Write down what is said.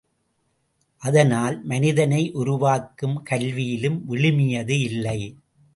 அதனால் மனிதனை உருவாக்கும் கல்வியிலும் விழுமியது இல்லை.